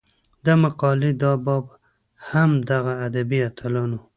د مقالې دا باب هم دغه ادبي اتلانو